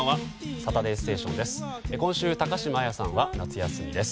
「サタデーステーション」です。